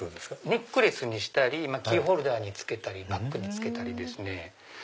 ネックレスにしたりキーホルダーにバッグに付けたりですね。